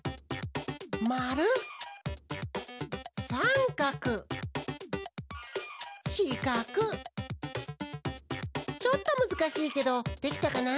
まるさんかくしかくちょっとむずかしいけどできたかな？